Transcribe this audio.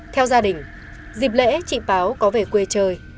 theo gia đình dịp lễ chị báo có về quê chơi